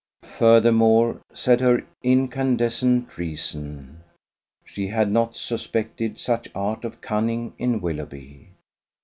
Furthermore, said her incandescent reason, she had not suspected such art of cunning in Willoughby.